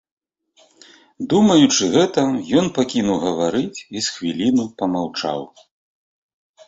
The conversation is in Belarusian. Думаючы гэта, ён пакінуў гаварыць і з хвіліну памаўчаў.